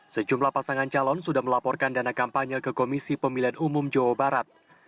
sejumlah pasangan calon sudah melaporkan dana kampanye ke komisi pemilihan umum jawa barat